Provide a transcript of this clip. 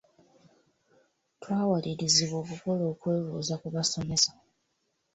Twawalirizibwa okukola okwebuuza ku basomesa.